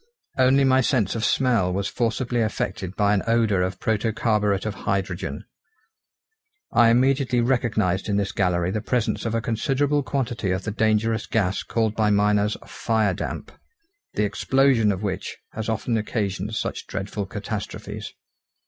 Only my sense of smell was forcibly affected by an odour of protocarburet of hydrogen. I immediately recognised in this gallery the presence of a considerable quantity of the dangerous gas called by miners firedamp, the explosion of which has often occasioned such dreadful catastrophes.